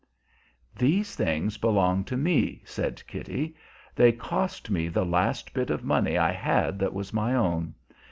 "These things belong to me," said Kitty. "They cost me the last bit of money I had that was my own.